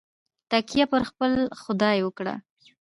تکیه پر خپل خدای وکړه.